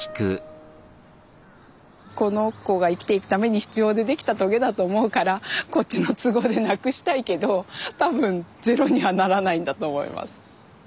この子が生きていくために必要でできたトゲだと思うからこっちの都合でなくしたいけど多分ゼロにはならないんだと思います。